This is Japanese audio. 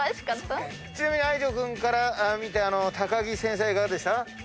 ちなみに藍丈君から見て木先生いかがでした？